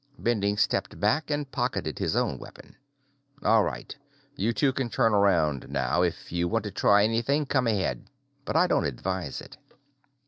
Bending stepped back and pocketed his own weapon. "All right. You two can turn around now. If you want to try anything, come ahead but I don't advise it."